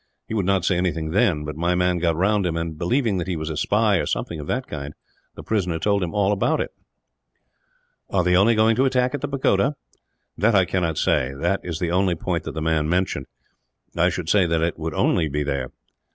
He would not say anything then; but my man got round him and, believing that he was a spy, or something of that kind, the prisoner told him all about it." "Are they only going to attack at the pagoda?" "That I cannot say; that is the only point that the man mentioned. I should say that it would only be there."